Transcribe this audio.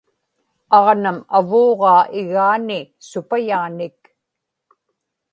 aġnam avuuġaa igaani supayaanik